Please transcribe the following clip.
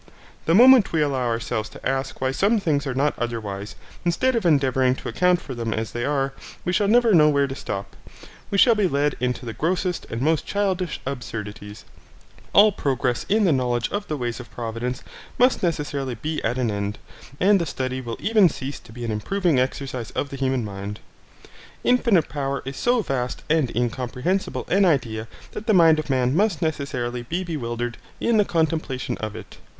The moment we allow ourselves to ask why some things are not otherwise, instead of endeavouring to account for them as they are, we shall never know where to stop, we shall be led into the grossest and most childish absurdities, all progress in the knowledge of the ways of Providence must necessarily be at an end, and the study will even cease to be an improving exercise of the human mind. Infinite power is so vast and incomprehensible an idea that the mind of man must necessarily be bewildered in the contemplation of it.